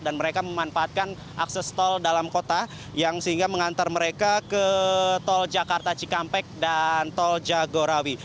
dan juga dimanfaatkan akses tol dalam kota yang sehingga mengantar mereka ke tol jakarta cikampek dan tol jagorawi